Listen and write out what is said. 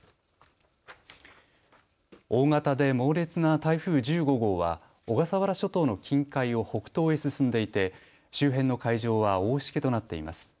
大型で猛烈な台風１５号は小笠原諸島の近海を北東へ進んでいて周辺の海上は大しけとなっています。